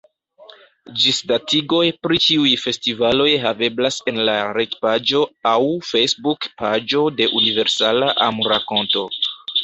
Ĝisdatigoj pri ĉiuj festivaloj haveblas en la retpaĝo aŭ Facebook-paĝo de Universala Amrakonto.